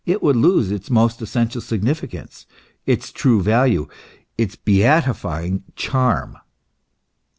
97 would lose its most essential significance, its true value, its beatifying charm.